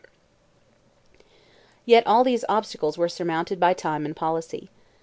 ] Yet all these obstacles were surmounted by time and policy.